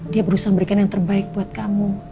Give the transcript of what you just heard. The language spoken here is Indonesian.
dia berusaha memberikan yang terbaik buat kamu